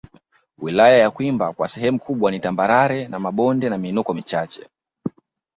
Wilaya ya Kwimba kwa sehemu kubwa ni tambarare mabonde na miinuko michache